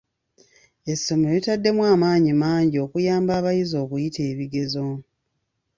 Essomero litaddemu amaanyi mangi okuyamba abayizi okuyita ebigezo.